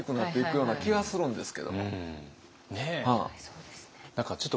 そうですね。